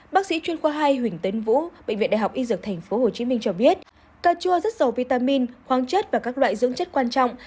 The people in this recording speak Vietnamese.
bác sĩ chuyên khoa hai huỳnh tấn vũ bệnh viện đại học y dược tp hcm cho biết cà chua rất giàu vitamin khoáng chất và các loại dưỡng chất quan trọng